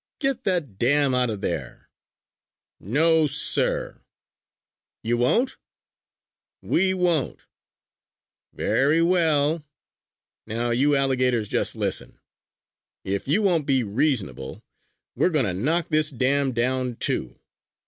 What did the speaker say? "Get that dam out of there!" "No, sir!" "You won't?" "We won't!" "Very well! Now you alligators just listen! If you won't be reasonable, we are going to knock this dam down, too.